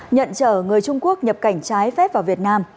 nhận chở người trung quốc nhập cảnh trái phép vào việt nam